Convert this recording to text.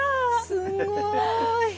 すごーい。